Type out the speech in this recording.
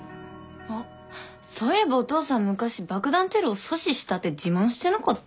あっそういえばお父さん昔爆弾テロを阻止したって自慢してなかった？